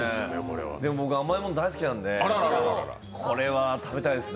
僕は、甘いもの大好きなので、これは食べたいですね。